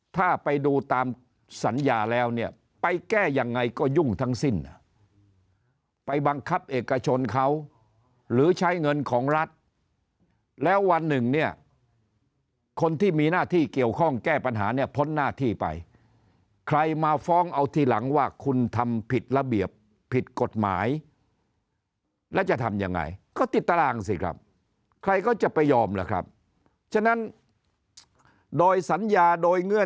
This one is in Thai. ถ้าไปดูตามสัญญาแล้วเนี่ยไปแก้ยังไงก็ยุ่งทั้งสิ้นไปบังคับเอกชนเขาหรือใช้เงินของรัฐแล้ววันหนึ่งเนี่ยคนที่มีหน้าที่เกี่ยวข้องแก้ปัญหาเนี่ยพ้นหน้าที่ไปใครมาฟ้องเอาทีหลังว่าคุณทำผิดระเบียบผิดกฎหมายแล้วจะทำยังไงก็ติดตารางสิครับใครก็จะไปยอมล่ะครับฉะนั้นโดยสัญญาโดยเงื่อ